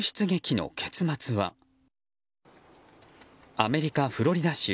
アメリカ・フロリダ州。